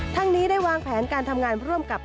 นี้ได้วางแผนการทำงานร่วมกับ